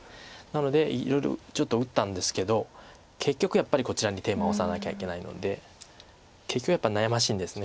なのでいろいろちょっと打ったんですけど結局やっぱりこちらに手回さなきゃいけないので結局やっぱり悩ましいんです。